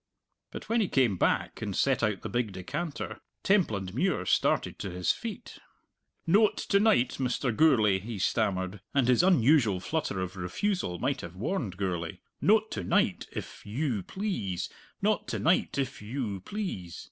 But when he came back and set out the big decanter Templandmuir started to his feet. "Noat to night, Mr. Gourlay," he stammered and his unusual flutter of refusal might have warned Gourlay "noat to night, if you please; noat to night, if you please.